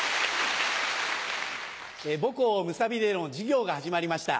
母校・武蔵美での授業が始まりました。